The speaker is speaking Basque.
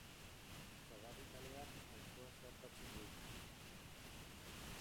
Txabarri kaleak auzoa zeharkatzen du.